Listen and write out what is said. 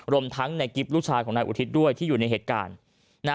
รวมทั้งในกิฟต์ลูกชายของนายอุทิศด้วยที่อยู่ในเหตุการณ์